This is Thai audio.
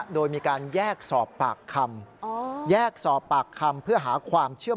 โดยมีการแยกสอบปากคำ